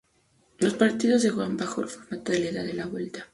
Los partidos se jugaron bajo un formato de ida y vuelta.